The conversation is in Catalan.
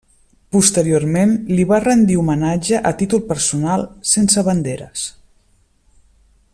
Posteriorment li va rendir homenatge a títol personal, sense banderes.